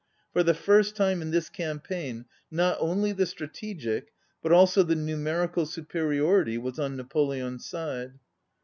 For the first time in this campaign not only the strate gic, but also the numerical superior ity, was on Napoleon's side.